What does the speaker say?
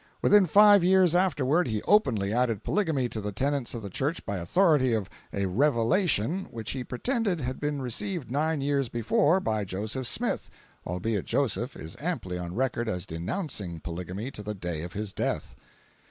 Within five years afterward he openly added polygamy to the tenets of the church by authority of a "revelation" which he pretended had been received nine years before by Joseph Smith, albeit Joseph is amply on record as denouncing polygamy to the day of his death.